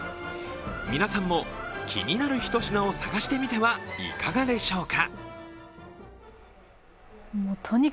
皆さんも気になる一品を探してみてはいかがでしょうか。